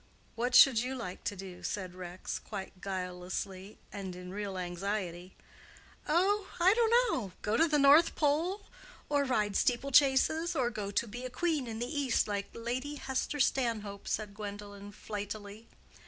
"What should you like to do?" said Rex, quite guilelessly, and in real anxiety. "Oh, I don't know!—go to the North Pole, or ride steeple chases, or go to be a queen in the East like Lady Hester Stanhope," said Gwendolen, flightily.